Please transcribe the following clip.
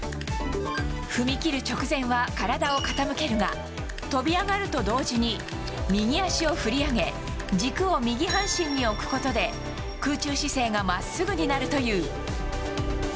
踏み切る直前は体を傾けるが跳び上がると同時に右足を振り上げ軸を右半身に置くことで空中姿勢が真っすぐになるという。